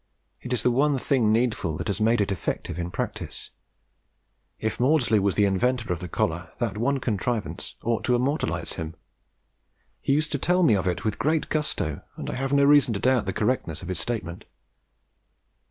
It is the one thing needful that has made it effective in practice. If Maudslay was the inventor of the collar, that one contrivance ought to immortalize him. He used to tell me of it with great gusto, and I have no reason to doubt the correctness of his statement."